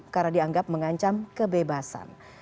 karena dianggap mengancam kebebasan